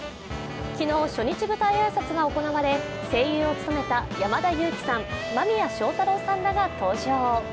昨日、初日舞台挨拶が行われ声優を務めた山田裕貴さん、間宮祥太朗さんらが登場。